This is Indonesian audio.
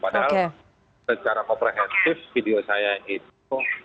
padahal secara komprehensif video saya itu